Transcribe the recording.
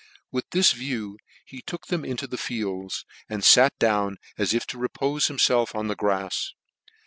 With this view he took them into the fields, and fat down as if to repcfe himfelf on the grafs.